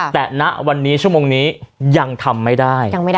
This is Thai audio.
แต่ณวันนี้ชั่วโมงนี้ยังทำไม่ได้